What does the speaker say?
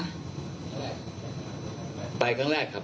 บศภไปครั้งแรกครับ